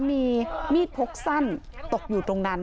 มีมีดพกสั้นตกอยู่ตรงนั้น